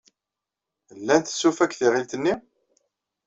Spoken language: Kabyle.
Llant tsufa deg tiɣilt-nni?